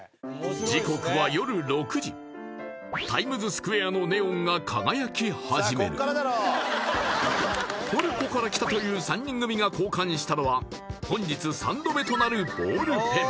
時刻は夜６時タイムズスクエアのトルコから来たという３人組が交換したのは本日３度目となるボールペン